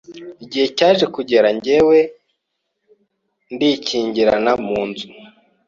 Igihe cyaje kugera njyewe ndikingirana mu nzu